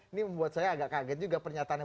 ini membuat saya agak kaget juga pernyataannya